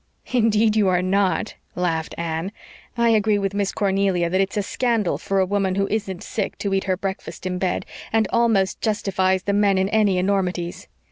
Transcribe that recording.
"Indeed you are not," laughed Anne. "I agree with Miss Cornelia that it's a scandal for a woman who isn't sick to eat her breakfast in bed, and almost justifies the men in any enormities."